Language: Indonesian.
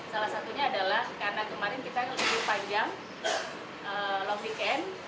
salah satunya adalah karena kemarin kita libur panjang long weekend